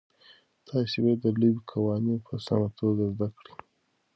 تاسي باید د لوبې قوانین په سمه توګه زده کړئ.